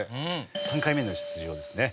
３回目の出場ですね。